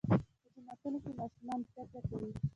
په جوماتونو کې ماشومان زده کړه کوي.